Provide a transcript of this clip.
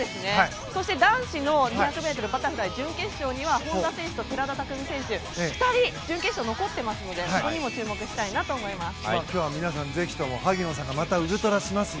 そして男子の２００ｍバタフライ準決勝には本多選手と寺田拓未選手の２人が準決勝に残っていますのでそこにも注目したいなと思います。